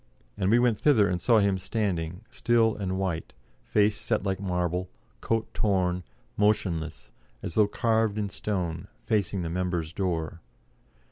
And we went thither and saw him standing, still and white, face set like marble, coat torn, motionless, as though carved in stone, facing the members' door.